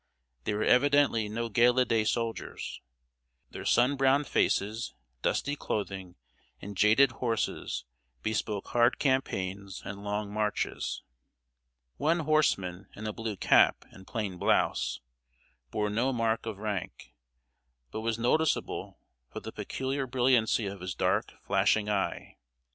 They were evidently no gala day soldiers. Their sun browned faces, dusty clothing, and jaded horses bespoke hard campaigns and long marches. One horseman, in a blue cap and plain blouse, bore no mark of rank, but was noticeable for the peculiar brilliancy of his dark, flashing eye.